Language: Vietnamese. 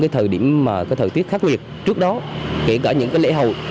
trong thời tiết khắc luyệt trước đó kể cả những lễ hậu